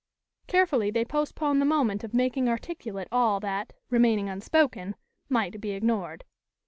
Carefully they postponed the moment of making articulate all that, remaining unspoken, might be ignored.